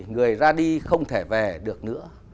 người ra đi không thể về được nữa